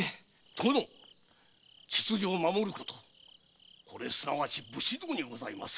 殿秩序を守ることこれすなわち「武士道」にございます。